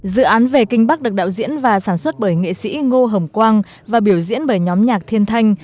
dự án về kinh bắc được đạo diễn và sản xuất bởi nghệ sĩ ngô hồng quang và biểu diễn bởi nhóm nhạc thiên thanh